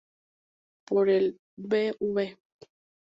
Por el Bv.